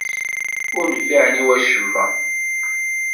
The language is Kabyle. Ur nfiɛen i wacemma.